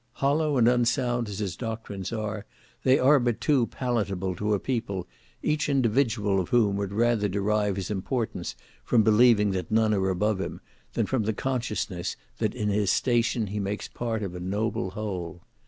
Hollow and unsound as his doctrines are, they are but too palatable to a people, each individual of whom would rather derive his importance from believing that none are above him, than from the consciousness that in his station he makes part of a noble whole.